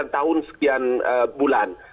sembilan tahun sekian bulan